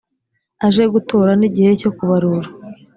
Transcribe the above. aje gutora n igihe cyo kubarura